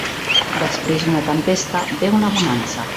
Després d'una tempesta ve una bonança.